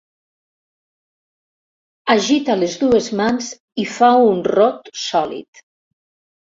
Agita les dues mans i fa un rot sòlid.